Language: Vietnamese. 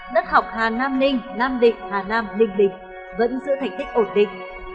đất học hà nam ninh nam định hà nam ninh bình vẫn giữ thành tích ổn định